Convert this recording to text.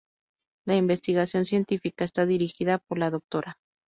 La investigación científica está dirigida por la Dra.